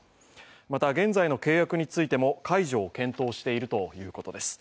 また現在の契約についても解除を検討しているということです。